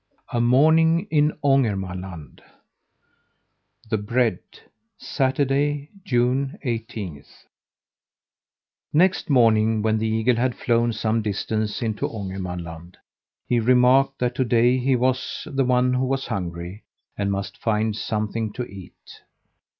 A MORNING IN ÅNGERMANLAND THE BREAD Saturday, June eighteenth. Next morning, when the eagle had flown some distance into Ångermanland, he remarked that to day he was the one who was hungry, and must find something to eat!